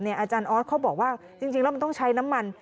อาจารย์ออสเขาบอกว่าจริงแล้วมันต้องใช้น้ำมัน